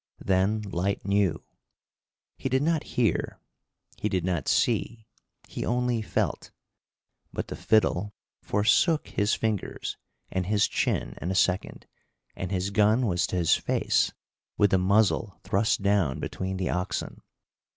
Then Lyte knew. He did not hear, he did not see, he only felt; but the fiddle forsook his fingers and his chin in a second, and his gun was to his face with the muzzle thrust down between the oxen.